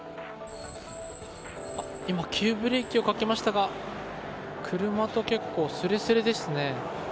今、急ブレーキをかけましたが車と結構すれすれですね。